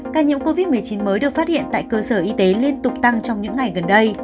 ca nhiễm covid một mươi chín mới được phát hiện tại cơ sở y tế liên tục tăng trong những ngày gần đây